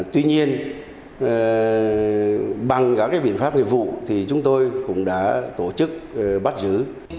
tuy nhiên bằng các biện pháp nghiệp vụ thì chúng tôi cũng đã tổ chức bắt giữ